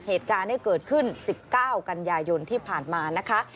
เหตุการณ์ที่เกิดขึ้น๑๙กันยายนที่ผ่านมานะคะ